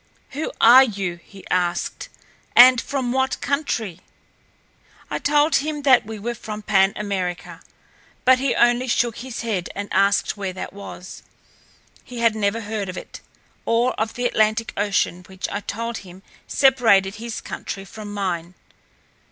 "Who are you," he asked, "and from what country?" I told him that we were from Pan America, but he only shook his head and asked where that was. He had never heard of it, or of the Atlantic Ocean which I told him separated his country from mine.